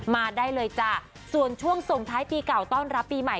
มาได้เลยจ้ะส่วนช่วงส่งท้ายปีเก่าต้อนรับปีใหม่